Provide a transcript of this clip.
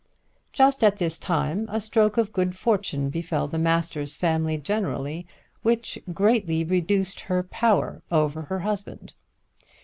Just at this time a stroke of good fortune befell the Masters family generally which greatly reduced her power over her husband.